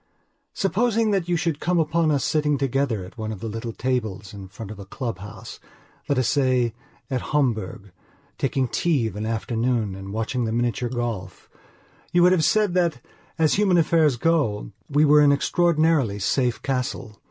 Supposing that you should come upon us sitting together at one of the little tables in front of the club house, let us say, at Homburg, taking tea of an afternoon and watching the miniature golf, you would have said that, as human affairs go, we were an extraordinarily safe castle.